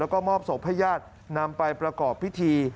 แล้วก็มอบศพให้ญาตินำไปประกอบพิธี